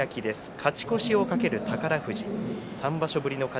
勝ち越しを懸ける宝富士。